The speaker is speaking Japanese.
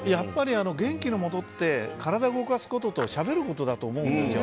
元気のもとって体を動かすこととしゃべることだと思うんですよ。